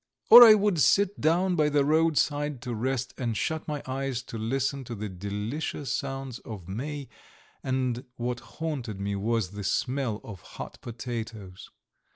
Or I would sit down by the roadside to rest, and shut my eyes to listen to the delicious sounds of May, and what haunted me was the smell of hot potatoes.